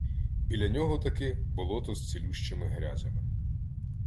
Біля нього-таки – болото з цілющими грязями